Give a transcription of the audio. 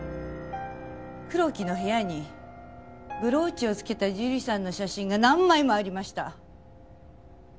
黒木の部屋にブローチをつけた樹里さんの写真が何枚もありました。